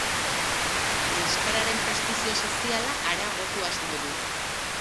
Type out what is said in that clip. Euskararen prestigio soziala areagotu asmo du.